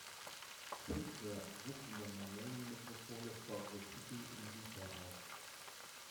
Sinclair wuchs in der Mormonen-Metropole Salt Lake City in Utah auf.